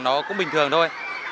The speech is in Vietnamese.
nó cũng bình thường thôi